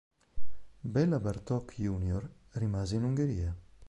Béla Bartók Jr. rimase in Ungheria.